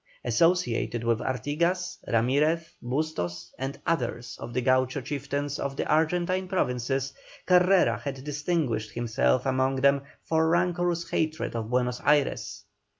Associated with Artigas, Ramirez, Bustos, and others of the Gaucho chieftains of the Argentine Provinces, Carrera had distinguished himself among them for rancorous hatred of Buenos Ayres.